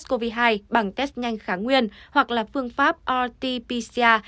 covid hai bằng test nhanh kháng nguyên hoặc là phương pháp rt pcr